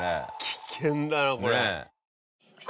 危険だなこれ。